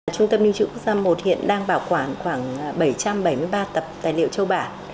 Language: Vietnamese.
trung tâm lưu trữ quốc gia i hiện đang bảo quản khoảng bảy trăm bảy mươi ba tập tài liệu châu bản